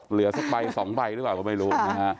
เหลือสักใบสองใบดีกว่าผมไม่รู้